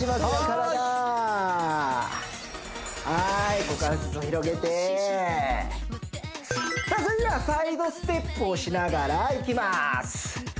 体はい股関節も広げてそれではサイドステップをしながらいきます